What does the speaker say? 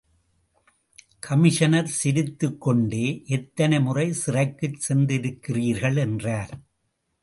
Commissioner, சிரித்துக் கொண்டே எத்தனை முறை சிறைக்குச் சென்றிருக்கிறீர்கள்? என்றார்.